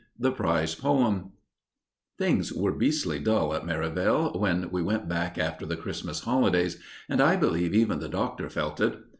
THE PRIZE POEM Things were beastly dull at Merivale when we went back after the Christmas holidays, and I believe even the Doctor felt it.